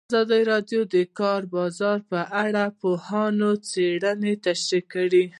ازادي راډیو د د کار بازار په اړه د پوهانو څېړنې تشریح کړې.